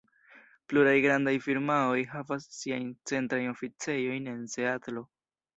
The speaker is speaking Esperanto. Pluraj grandaj firmaoj havas siajn centrajn oficejojn en Seatlo.